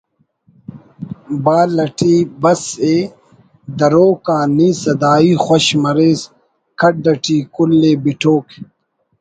بال اٹی بَس ءِ دروک آ نی سدائی خوش مریس کڈھ اٹی کُل ءِ بٹوک